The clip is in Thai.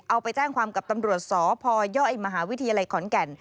เอาไปแจ้งความกับตำรวจสพยมหาวิทยาลัยขอนแก่น